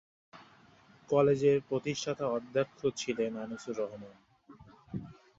কলেজের প্রতিষ্ঠাতা অধ্যক্ষ ছিলেন আনিসুর রহমান।